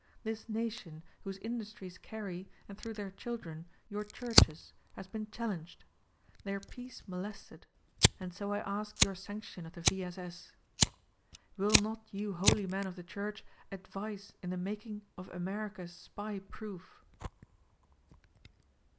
This nation whose industries carry, and through their children, your churches, has been challenged ; their peace molested ; and so I ask your sanc tion of the V. S. S. Will not you holy men of the church advise in the making of America SPY proof?